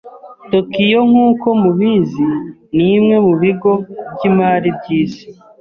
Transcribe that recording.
Tokiyo, nkuko mubizi, nimwe mubigo byimari byisi.